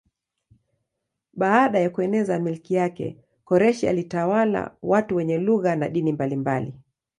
Baada ya kueneza milki yake Koreshi alitawala watu wenye lugha na dini mbalimbali.